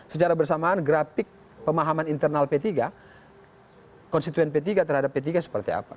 secara bersamaan grafik pemahaman internal p tiga konstituen p tiga terhadap p tiga seperti apa